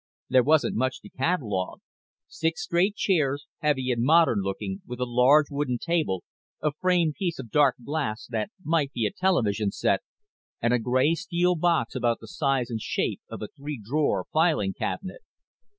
There wasn't much to catalogue six straight chairs, heavy and modern looking, with a large wooden table, a framed piece of dark glass that might be a television set, and a gray steel box about the size and shape of a three drawer filing cabinet.